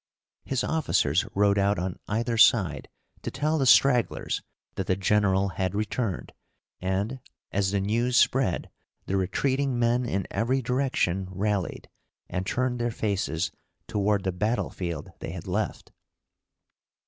His officers rode out on either side to tell the stragglers that the general had returned, and, as the news spread the retreating men in every direction rallied, and turned their faces toward the battle field they had left.